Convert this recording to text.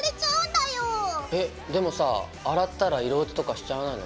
えでもさ洗ったら色落ちとかしちゃわないの？